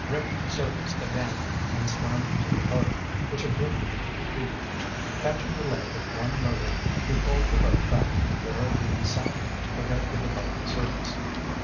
Rick surfaced again and swam to the boat, which had drifted a few feet. Catching the leg of one motor, he pulled the boat back to where the sapling projected above the surface.